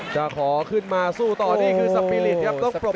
จะขอขึ้นมาสู้ต่อนี่คือสปีริตครับ